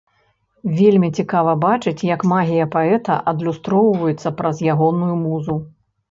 Вельмі цікава бачыць, як магія паэта адлюстроўваецца праз ягоную музу.